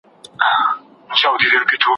دوی به دواړه وي سپاره اولس به خر وي